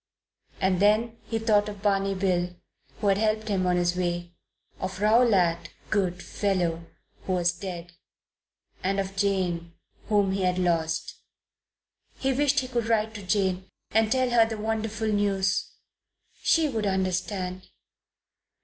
And then he thought of Barney Bill, who had helped him on his way; of Rowlatt, good fellow, who was dead; and of Jane, whom he had lost. He wished he could write to Jane and tell her the wonderful news. She would understand....